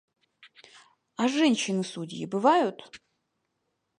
А женщины-судьи бывают?